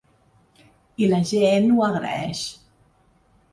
I la gent ho agraeix.